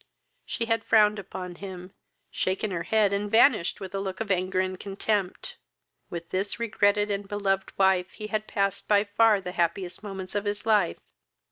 She had frowned upon him, shaken her head, and vanished with a look of anger and contempt: with this regretted and beloved wife he had passed by far the happiest moments of his life.